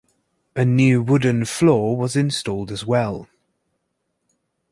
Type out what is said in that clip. A new wooden floor was installed as well.